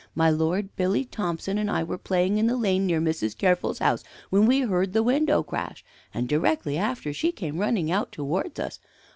My lord, Billy Thompson and I were playing in the lane near Mrs. Careful's house when we heard the window crash, and directly after she came running out towards us.